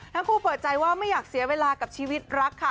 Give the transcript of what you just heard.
ทั้งคู่เปิดใจว่าไม่อยากเสียเวลากับชีวิตรักค่ะ